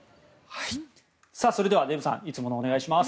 それではデーブさんいつものお願いします。